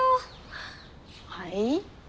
はい？